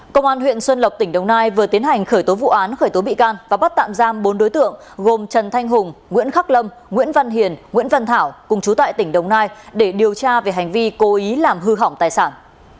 công an huyện xuân lộc tỉnh đồng nai vừa tiến hành khởi tố vụ án khởi tố bị can và bắt tạm giam bốn đối tượng gồm trần thanh hùng nguyễn khắc lâm nguyễn văn hiền nguyễn văn thảo cùng chú tại tỉnh đồng nai để điều tra về hành vi cố ý làm hư hỏng tài sản